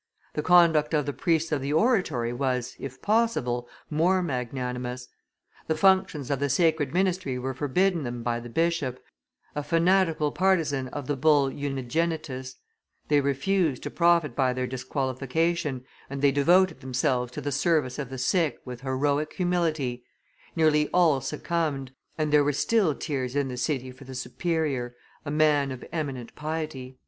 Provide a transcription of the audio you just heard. The conduct of the priests of the Oratory was, if possible, more magnanimous. The functions of the sacred ministry were forbidden them by the bishop, a fanatical partisan of the bull Unigenitus; they refused to profit by their disqualification, and they devoted themselves to the service of the sick with heroic humility; nearly all succumbed, and there were still tears in the city for the Superior, a man of eminent piety."